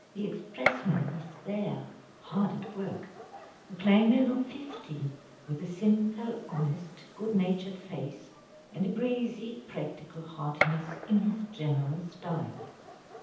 The expressman was there, hard at work, a plain man of fifty, with a simple, honest, good natured face, and a breezy, practical heartiness in his general style.